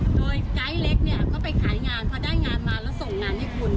โดยไกด์เล็กเนี่ยก็ไปขายงานพอได้งานมาแล้วส่งงานให้คุณ